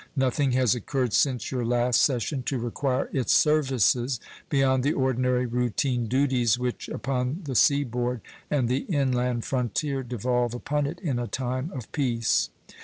Nothing has occurred since your last session to require its services beyond the ordinary routine duties which upon the sea board and the in land frontier devolve upon it in a time of peace.